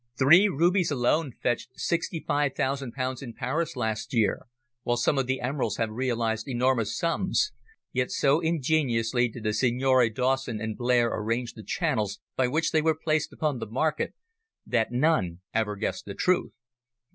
Three rubies alone fetched sixty five thousand pounds in Paris last year, while some of the emeralds have realised enormous sums, yet so ingeniously did the Signori Dawson and Blair arrange the channels by which they were placed upon the market that none ever guessed the truth."